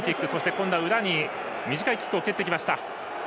今度は裏に短いキックを蹴ってきました。